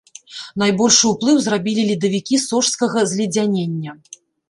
Найбольшы ўплыў зрабілі ледавікі сожскага зледзянення.